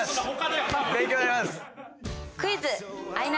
勉強になります。